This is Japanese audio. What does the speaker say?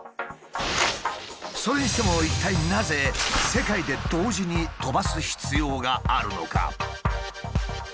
それにしても一体なぜ世界で同時に飛ばす必要があるのか？